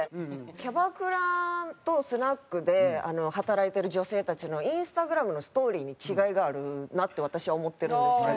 キャバクラとスナックで働いてる女性たちのＩｎｓｔａｇｒａｍのストーリーに違いがあるなって私は思ってるんですけど。